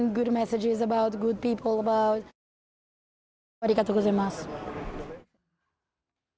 ありがとうございます。